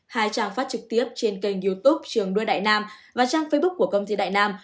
hai trang phát trực tiếp trên kênh youtube trường đua đại nam và trang facebook của công ty đại nam